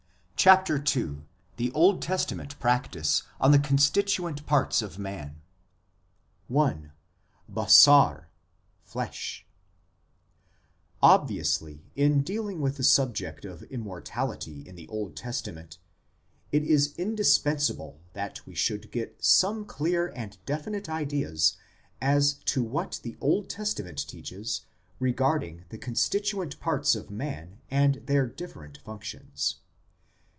CHAPTER II THE OLD TESTAMENT TEACHING ON THE CONSTITUENT PARTS OF MAN I. "BASAR," FLESH OBVIOUSLY, in dealing with the subject of Immortality in the Old Testament it is indispensable that we should get some clear and definite ideas as to what the Old Testament teaches regarding the constituent parts of man and their different functions.